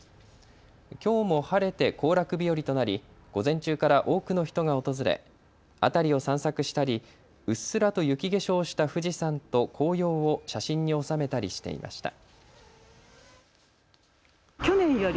きょうも晴れて行楽日和となり午前中から多くの人が訪れ辺りを散策したりうっすらと雪化粧した富士山と紅葉を写真に収めたりしていました。